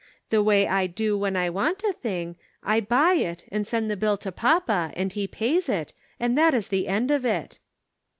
The way I do when I want a thing, I buy it, and send the bill to papa and he pays it, and that is the end of it."